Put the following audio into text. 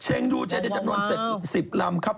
เช็งดูเจเท็นจำนวน๑๐ลำครับ